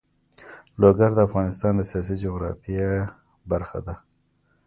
لوگر د افغانستان د سیاسي جغرافیه برخه ده.